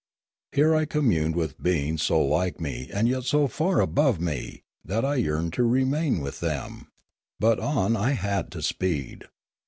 Here I communed with beings so like me and yet so far above me that I yearned to remain with them; but on I had to speed.